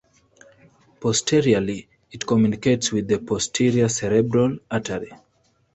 Posteriorly, it communicates with the posterior cerebral artery.